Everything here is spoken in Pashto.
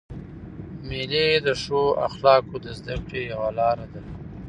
مېلې د ښو اخلاقو د زدهکړي یوه لاره ده.